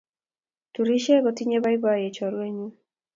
Turishe kotinye boiboyee chorwenyu